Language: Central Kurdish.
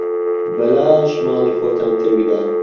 بەلاش ماڵی خۆتان تێک دا.